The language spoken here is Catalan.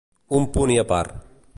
Un punt i apart.